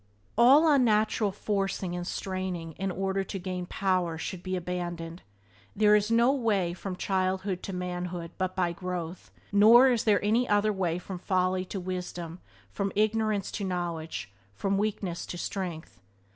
All unnatural forcing and straining in order to gain "power" should be abandoned. There is no way from childhood to manhood but by growth; nor is there any other way from folly to wisdom, from ignorance to knowledge, from weakness to strength.